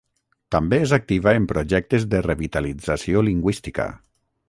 També és activa en projectes de revitalització lingüística.